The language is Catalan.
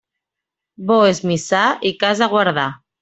Bo és missar i casa guardar.